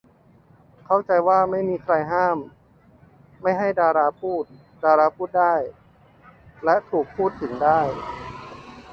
เข้าใจว่าไม่มีใครห้ามไม่ให้ดาราพูด ดาราพูดได้ และถูกพูดถึงได้